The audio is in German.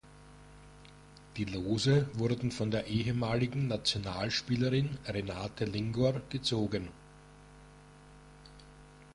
Die Lose wurden von der ehemaligen Nationalspielerin Renate Lingor gezogen.